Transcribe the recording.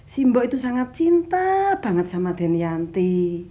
simbok itu sangat cinta banget sama den yanti